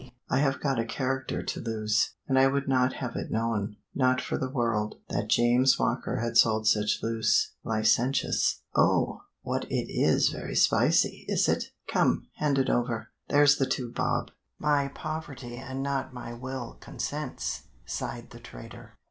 I have got a character to lose, and I would not have it known not for the world, that James Walker had sold such loose licentious " "Oh! what it is very spicy, is it? Come, hand it over. There's the two bob." "My poverty and not my will consents," sighed the trader.